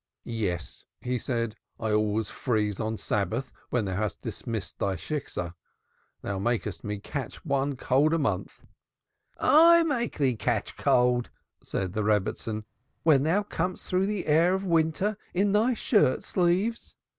"Yes," he said now, "I always freeze on Shabbos when thou hast dismissed thy Shiksah. Thou makest me catch one cold a month." "I make thee catch cold!" said the Rebbitzin. "When thou comest through the air of winter in thy shirt sleeves!